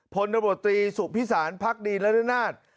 พลตบตรีสุขภิษศาลพรรคดีนและเรือนนาฏ